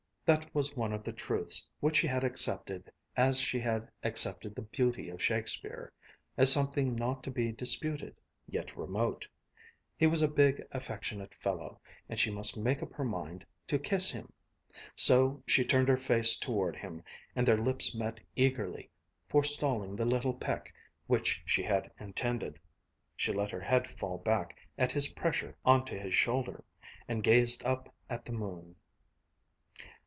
That was one of the truths which she had accepted as she had accepted the beauty of Shakespeare, as something not to be disputed, yet remote. He was a big, affectionate fellow, and she must make up her mind to kiss him. So she turned her face toward him and their lips met eagerly, forestalling the little peck which she had intended. She let her head fall back at his pressure on to his shoulder, and gazed up at the moon.